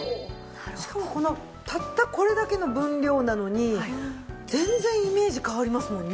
しかもこのたったこれだけの分量なのに全然イメージ変わりますもんね。